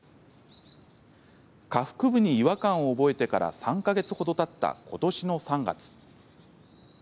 下腹部に違和感を覚えてから３か月ほどたった、ことしの３月。